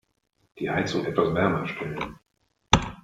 Die Heizung etwas wärmer stellen.